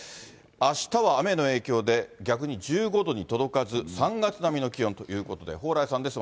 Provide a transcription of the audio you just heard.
あしたは雨の影響で、逆に１５度に届かず、３月並みの気温ということで、蓬莱さんです。